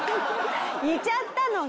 似ちゃったのが。